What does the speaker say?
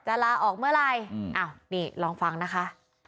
ลาออกเมื่อไหร่อ้าวนี่ลองฟังนะคะ